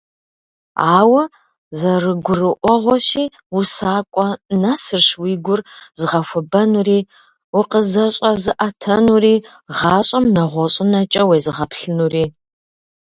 Ауэ, зэрыгурыӀуэгъуэщи, усакӀуэ нэсырщ уи гур зыгъэхуэбэнури, укъызэщӀэзыӀэтэнури, гъащӀэм нэгъуэщӀынэкӀэ уезыгъэплъынури.